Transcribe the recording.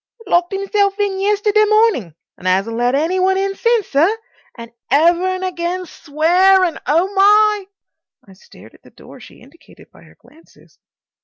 "Locked himself in yesterday morning and 'asn't let any one in since, sir. And ever and again SWEARING. Oh, my!" I stared at the door she indicated by her glances.